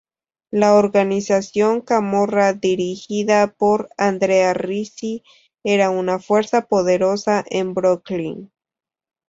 La organización Camorra, dirigida por Andrea Ricci, era una fuerza poderosa en Brooklyn.